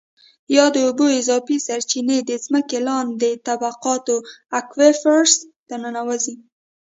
یا د اوبو اضافي سرچېنې د ځمکې لاندې طبقاتو Aquifers ته ننوځي.